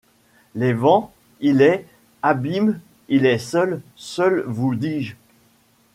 les vents, il est ! Abîme ! il est seul. Seul, vous dis-je !